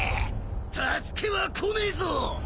助けは来ねえぞ！